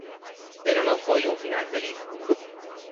Pero non foi un final feliz.